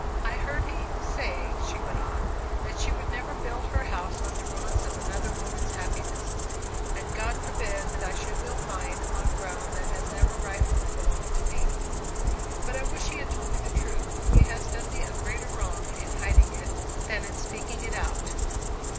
"I heard Eve say," she went on, "that she would never build her house on the ruins of another woman's happiness; and God forbid that I should build mine on ground that has never rightly belonged to me! But I wish he had told me the truth. He has done me a greater wrong in hiding it, than in speaking it out."